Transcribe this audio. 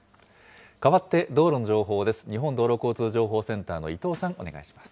かわって道路の情報です。